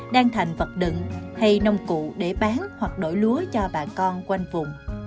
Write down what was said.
đang thành vật đựng hay nông cụ để bán hoặc đổi lúa cho bà con quanh vùng